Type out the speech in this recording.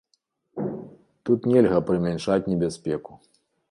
Тут нельга прымяншаць небяспеку.